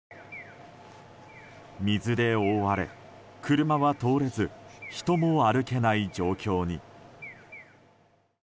水で覆われ、車は通れず人も歩けない状況に。